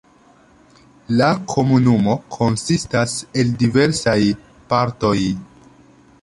La komunumo konsistas el diversaj partoj.